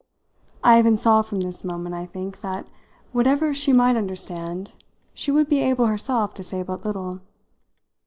I even saw from this moment, I think, that, whatever she might understand, she would be able herself to say but little.